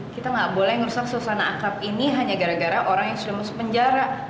kita nggak boleh ngerusak suasana akrab ini hanya gara gara orang yang sudah masuk penjara